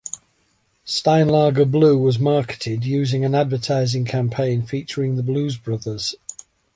Steinlager Blue was marketed using an advertising campaign featuring The Blues Brothers.